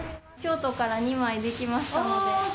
京都から２枚、できました。